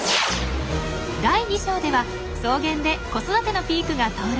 第２章では草原で子育てのピークが到来！